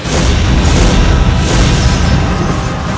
sang penguasa kerajaan penyelidikan